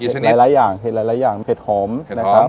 เห็ดกี่ชนิดหลายอย่างเห็ดหอมนะครับ